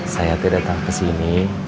saya tidak datang kesini